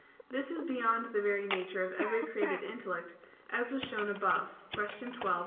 This is beyond the nature of every created intellect, as was shown above (Q. 12, A.